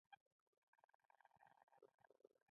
د یو مایوسه زده کوونکي مړاوې هیلې را ژوندي کوم.